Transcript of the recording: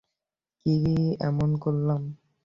কী এমন করলাম?